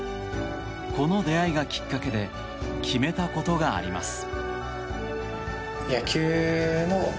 この出会いがきっかけで決めたことがあります。